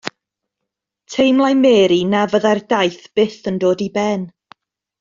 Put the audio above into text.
Teimlai Mary na fyddai'r daith byth yn dod i ben.